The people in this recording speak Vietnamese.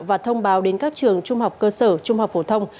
và thông báo đến các trường trung học cơ sở trung học phổ thông